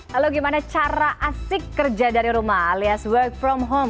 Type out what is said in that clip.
lalu gimana cara asik kerja dari rumah alias work from home